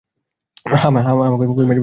হ্যাঁ মা, কইমাছ বুঝি কানে হেঁটে বেড়ায়?